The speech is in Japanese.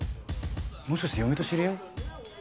もしかして嫁と知り合い？